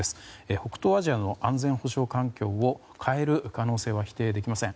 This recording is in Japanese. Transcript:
北東アジアの安全保障環境を変える可能性は否定できません。